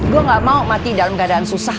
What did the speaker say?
gue gak mau mati dalam keadaan susah